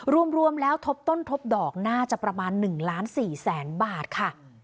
รวมแล้วทบต้นทบดอกน่าจะประมาณ๑ล้าน๔แสนบาทค่ะ